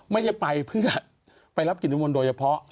ไม่ได้ไปเพื่อไปรับกิจนิมนต์โดยเฉพาะ